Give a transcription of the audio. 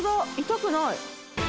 痛くない！